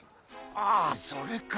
ああそれか。